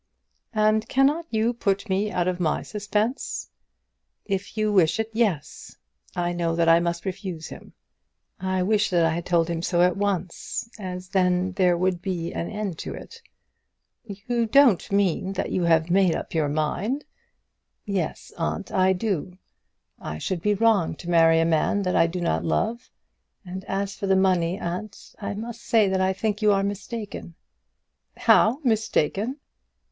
"And cannot you put me out of my suspense?" "If you wish it, yes. I know that I must refuse him. I wish that I had told him so at once, as then there would have been an end of it." "You don't mean that you have made up your mind?" "Yes, aunt, I do. I should be wrong to marry a man that I do not love; and as for the money, aunt, I must say that I think you are mistaken." "How mistaken?"